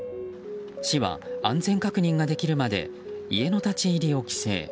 市は安全確認ができるまで家の立ち入りを規制。